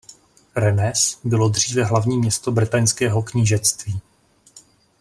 Rennes bylo dříve hlavní město Bretaňského knížectví.